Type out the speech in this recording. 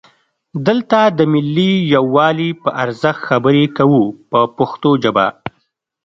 دلته د ملي یووالي په ارزښت خبرې کوو په پښتو ژبه.